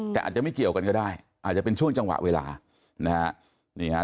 แต่อาจจะไม่เกี่ยวกันก็ได้อาจจะเป็นช่วงจังหวะเวลานะฮะนี่ฮะ